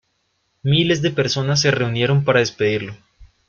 Miles de personas se reunieron para despedirlo.